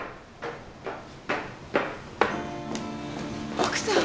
・奥さん！